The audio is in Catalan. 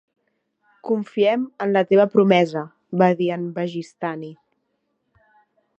"Confiem en la teva promesa", va dir en Bagistani.